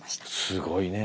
すごいねえ。